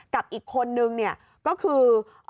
กับอีกคนนึงเนี่ยก็คือ